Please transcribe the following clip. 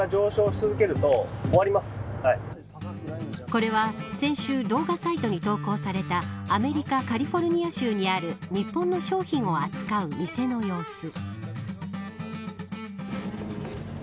これは先週、動画サイトに投稿されたアメリカカリフォルニア州にある日本の商品を扱う店の様子。